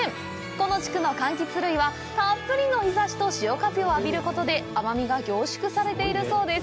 この地区の柑橘類は、たっぷりの日差しと潮風を浴びることで甘味が凝縮されているそうです。